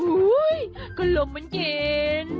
อุ๊ยก็ลมมันเย็น